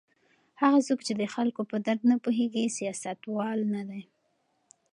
هغه څوک چې د خلکو په درد نه پوهیږي سیاستوال نه دی.